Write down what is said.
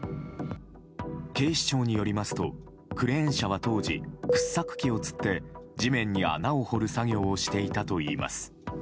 警視庁によりますとクレーン車は、当時掘削機をつって地面に穴を掘る作業をしていたといいます。